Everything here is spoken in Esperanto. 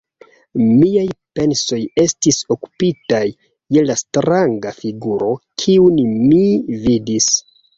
Miaj pensoj estis okupitaj je la stranga figuro, kiun mi vidis.